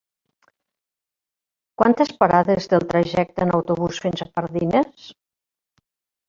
Quantes parades té el trajecte en autobús fins a Pardines?